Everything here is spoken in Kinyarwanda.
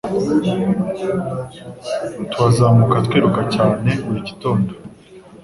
Tuhazamuka twiruka cyane buri gitondo